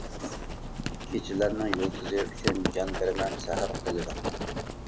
كېچىلەرنىڭ يۇلتۇزى ئۈچۈن، جان بېرىمەن سەھەر قولىدا.